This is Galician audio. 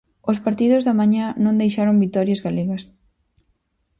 Os partidos da mañá non deixaron vitorias galegas.